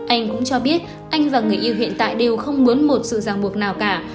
anh cũng cho biết anh và người yêu hiện tại đều không muốn một sự ràng buộc nào cả